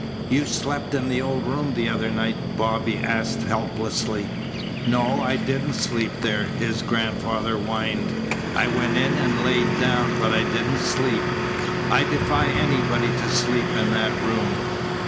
"You slept in the old room the other night?" Bobby asked helplessly. "No, I didn't sleep there," his grandfather whined. "I went in and lay down, but I didn't sleep. I defy anybody to sleep in that room.